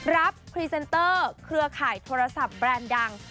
พรีเซนเตอร์เครือข่ายโทรศัพท์แบรนด์ดัง